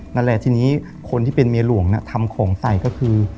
นั่นแหละทีนี้คนที่เป็นเมียหลวงทำของใส่ก็คือ